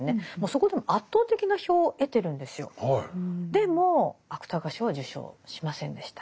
でも芥川賞は受賞しませんでした。